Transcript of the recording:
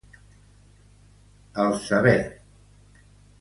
Al saber.